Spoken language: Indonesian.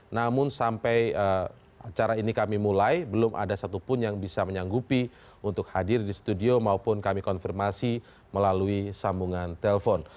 namun sampai acara ini kami mulai belum ada satupun yang bisa menyanggupi untuk hadir di studio maupun kami konfirmasi melalui sambungan telpon